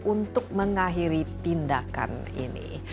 untuk mengakhiri tindakan ini